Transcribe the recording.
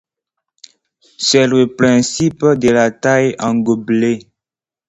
C'est le principe de la taille en gobelet.